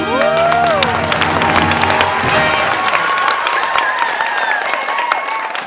เพลงนี้น้องตาเลี้ยงคุณพิธี